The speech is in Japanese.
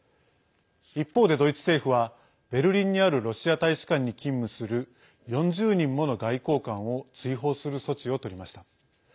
一方で、ドイツ政府はベルリンにあるロシア大使館に勤務する４０人もの外交官を追放する措置をとりました。